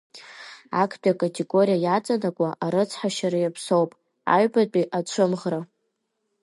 Актәи акатегориа иаҵанакуа арыцҳашьара иаԥсоуп, аҩбатәи ацәымӷра.